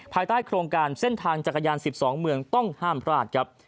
ภายใต้โครงการเส้นทางจักรยาน๑๒เมืองต้องห้ามพลาดครับ